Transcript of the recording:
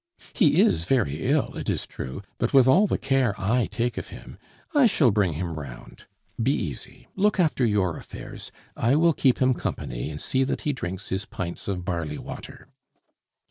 He is very ill, it is true, but with all the care I take of him, I shall bring him round. Be easy, look after your affairs, I will keep him company and see that he drinks his pints of barley water."